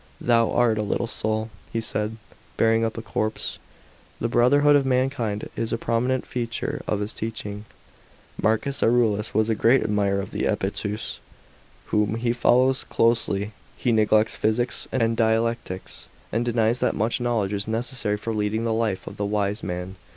"Thou art a little soul," he said, " bearing up a corpse." f The brotherhood of mankind is a prominent feature of his teaching. § 10. MARCUS AURELIUS was a great admirer of Epictetus, whom he follows closelyo He neglects physics and dialectics, and denies that much knowledge is necessary for leading the life of the wise man.